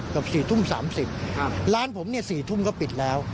เกือบ๔ทุ่ม๓๐ร้านผมเนี่ย๔ทุ่มก็ปิดแล้ว